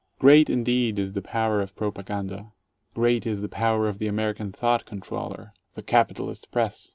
Great indeed is the power of propaganda! Great is the power of the American thought controller — the capitalist press.